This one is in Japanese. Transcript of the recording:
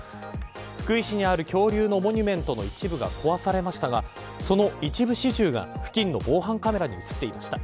福井市にある恐竜のモニュメントの一部が壊されましたがその一部始終が付近の防犯カメラに映っていました。